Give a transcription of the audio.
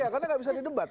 iya karena gak bisa didebat